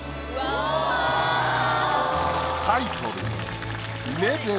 タイトル。